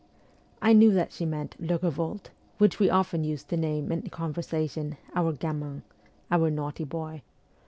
I knew that she meant ' Le Kevolte,' which we often used to name in conversation ' our gamin ' our naughty boy.